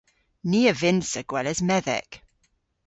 Ni a vynnsa gweles medhek.